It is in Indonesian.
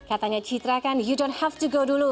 katanya citra kan you don't have to go dulu